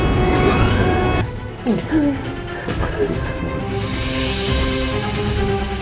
iya tante kita percayakan semuanya sama mereka